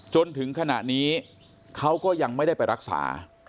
จนถึงขณะนี้เขาก็ยังไม่ได้ไปรักษา